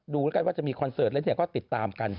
ดูว่าจะมีคอนเสิร์ตแล้วเนี่ยก็ติดตามกัน